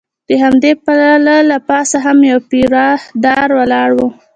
د همدې پله له پاسه هم یو پیره دار ولاړ و.